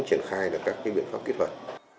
triển khai được các cái biện pháp kỹ thuật